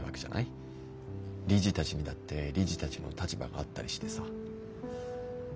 理事たちにだって理事たちの立場があったりしてさ。